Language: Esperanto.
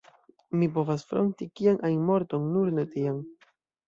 Mi povas fronti kian ajn morton, nur ne tian.